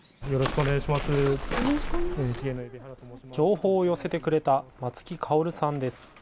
情報を寄せてくれた松木薫さんです。